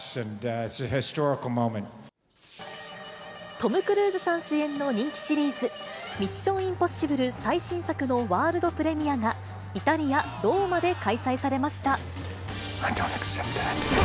トム・クルーズさん主演の人気シリーズ、ミッション：インポッシブル最新作のワールドプレミアが、イタリア・ローマで開催されました。